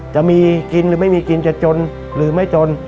จะมีกินหรือไม่มีกินจะจนหรือไม่จน